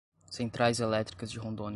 Centrais Elétricas de Rondônia